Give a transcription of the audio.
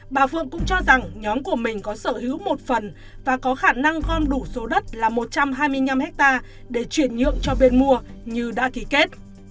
bà vượng cũng cho rằng nhóm của mình có sở hữu một phần và có khả năng gom đủ số đất là một trăm hai mươi năm ha để chuyển nhượng cho bên mua như đã ký kết